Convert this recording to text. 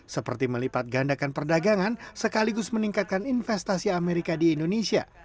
seperti melipat gandakan perdagangan sekaligus meningkatkan investasi amerika di indonesia